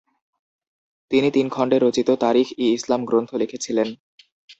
তিনি তিন খণ্ডে রচিত তারিখ-ই-ইসলাম গ্রন্থ লিখেছিলেন।